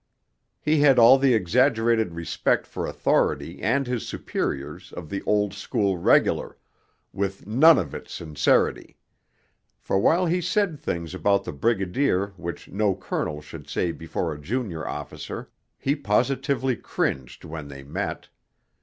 He had all the exaggerated respect for authority and his superiors of the old school Regular, with none of its sincerity; for while he said things about the Brigadier which no colonel should say before a junior officer, he positively cringed when they met.